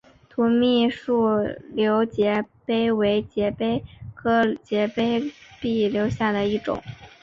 土蜜树瘤节蜱为节蜱科瘤节蜱属下的一个种。